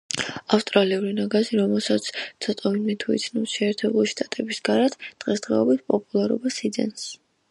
ავსტრალიური ნაგაზი, რომელსაც ცოტა ვინმე თუ იცნობს შეერთებული შტატების გარეთ, დღესდღეობით პოპულარობას იძენს.